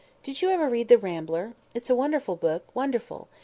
Did you ever read the Rambler? It's a wonderful book—wonderful!